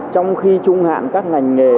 trong khi trung hạn các ngành nghề